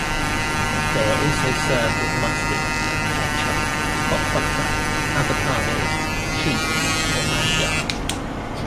They are also served with mustard, ketchup, hot butter, avocado, cheese or manjar.